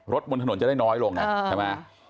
บนถนนจะได้น้อยลงใช่ไหม